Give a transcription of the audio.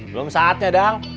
belum saatnya dal